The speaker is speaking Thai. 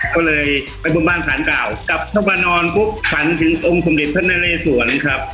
ก็เลยไปบนบ้านฝานเปล่ากลับเท้ามานอนปุ๊บฝันถึงองค์สำเร็จพรรณเรศวรนั้นครับ